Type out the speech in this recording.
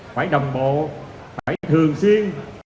phải đồng bộ phải thường xuyên